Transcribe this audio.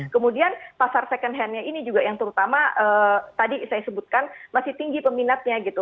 kemudian pasar second hand nya ini juga yang terutama tadi saya sebutkan masih tinggi peminatnya gitu